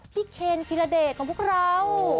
พี่เคนฮิลเดรกของพวกเรา